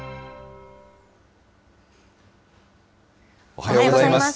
おはようございます。